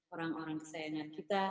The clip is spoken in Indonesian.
orang orang kesayangan kita